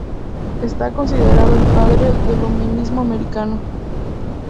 Está considerado el padre del luminismo americano.